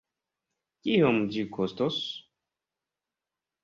Kiom ĝi kostos?